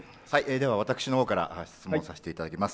では私のほうから質問させていただきます。